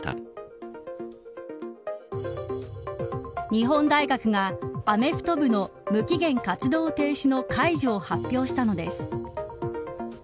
日本大学がアメフト部の無期限活動停止の解除を発表したのです。